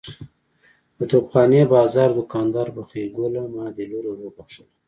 د توپ خانې بازار دوکاندار بخۍ ګل ماد لور ور وبخښله.